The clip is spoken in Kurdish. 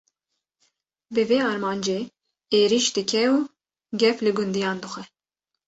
Bi vê armancê, êrîş dike û gef li gundiyan dixwe